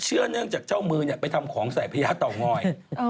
เนื่องจากเจ้ามือไปทำของใส่พญาเต่างอย